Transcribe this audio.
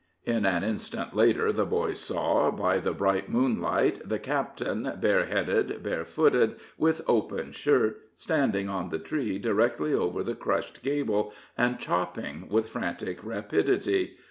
In an instant later the boys saw, by the bright moonlight, the captain, bareheaded, barefooted, with open shirt, standing on the tree directly over the crushed gable, and chopping with frantic rapidity.